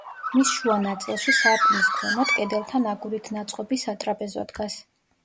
მის შუა ნაწილში, სარკმლის ქვემოთ, კედელთან აგურით ნაწყობი სატრაპეზო დგას.